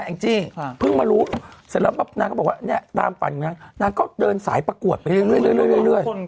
นั้นแหละนางเต้นทีมเดียวกันเลย